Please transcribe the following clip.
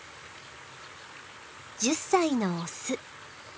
１０歳のオス。